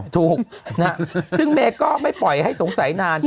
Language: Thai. ถูกซึ่งเมย์ก็ไม่ปล่อยให้สงสัยนาน